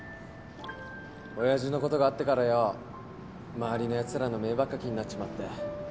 親父のことがあってからよ周りのやつらの目ばっか気になっちまって。